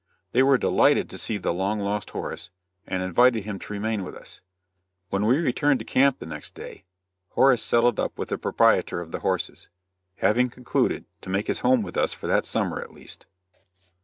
They were delighted to see the long lost Horace, and invited him to remain with us. When we returned to camp next day, Horace settled up with the proprietor of the horses, having concluded to make his home with us for that summer at least.